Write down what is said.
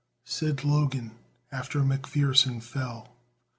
Said Logan after McPherson fell.